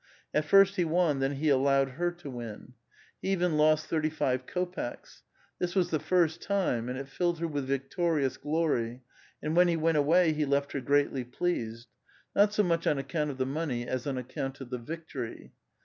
At first he won ; then he allowed her to win. He even lost thirtv five koptks. This was the first time, and it filled her with victorious glory, and when he went away he left her greatly pleased ; not so much on account of the money as on account of the victory.